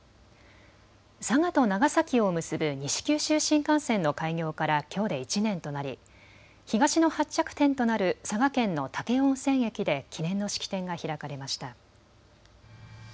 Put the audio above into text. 佐賀と長崎を結ぶ西九州新幹線の開業からきょうで１年となり東の発着点となる佐賀県の武雄温泉駅で記念の式典が開かれました。